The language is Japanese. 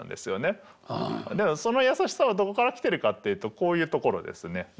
でその優しさはどこから来てるかっていうとこういうところですね。